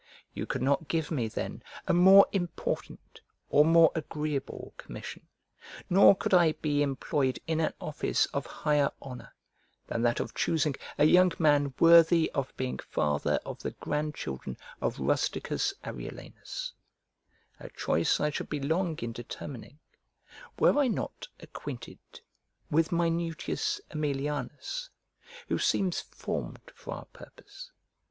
You could not give me, then, a more important, or more agreeable, commission; nor could I be employed in an office of higher honour, than that of choosing a young man worthy of being father of the grandchildren of Rusticus Arulenus; a choice I should be long in determining, were I not acquainted with Minutius Aemilianus, who seems formed for our purpose.